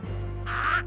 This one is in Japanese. ああ？